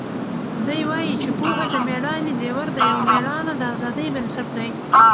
دی وایي چې پوهه د مېړانې زیور دی او مېړانه د ازادۍ بنسټ دی.